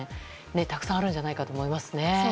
たくさんあるんじゃないかと思いますね。